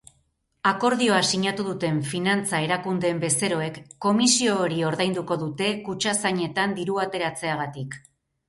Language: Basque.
Akordioa sinatu duten finantza erakundeen bezeroek komisio hori ordainduko dute kutxazainetan dirua ateratzeagatik.